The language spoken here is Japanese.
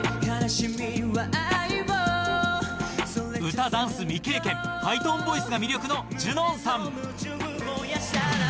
歌ダンス未経験ハイトーンボイスが魅力の ＪＵＮＯＮ さん